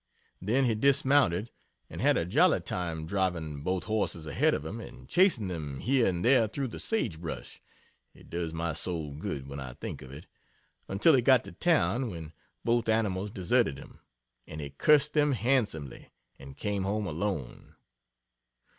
Then he dismounted, and had a jolly time driving both horses ahead of him and chasing them here and there through the sage brush (it does my soul good when I think of it) until he got to town, when both animals deserted him, and he cursed them handsomely and came home alone.